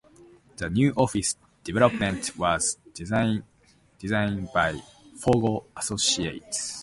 The new office development was designed by Foggo Associates.